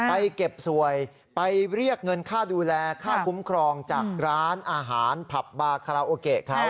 ไปเก็บสวยไปเรียกเงินค่าดูแลค่าคุ้มครองจากร้านอาหารผับบาคาราโอเกะเขา